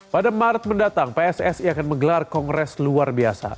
pada maret mendatang pssi akan menggelar kongres luar biasa